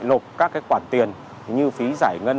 lột các quản tiền như phí giải ngân